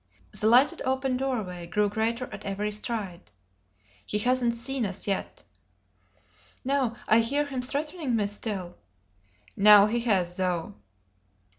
The lighted open doorway grew greater at every stride. "He hasn't seen us yet " "No, I hear him threatening me still." "Now he has, though!"